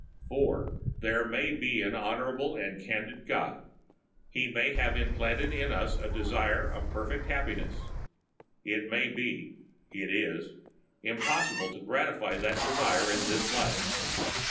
(4) There may be an honorable and candid God. He may have implanted in us the desire of perfect happiness. It may be—it is—impossible to gratify that desire in this life.